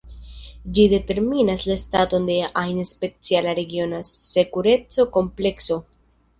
Ĝi determinas la staton de ajn speciala regiona sekureco-komplekso.